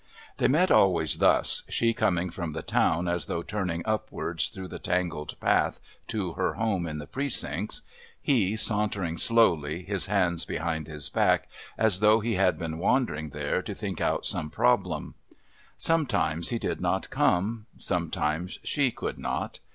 They met always thus, she coming from the town as though turning upwards through the tangled path to her home in the Precincts, he sauntering slowly, his hands behind his back, as though he had been wandering there to think out some problem.... Sometimes he did not come, sometimes she could not.